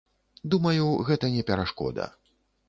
Думаю, гэта не перашкода.